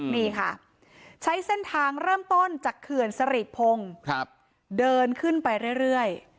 นี่ค่ะใช้เส้นทางเริ่มต้นจากเขื่อนสฤษภงครับเดินขึ้นไปเรื่อยเรื่อย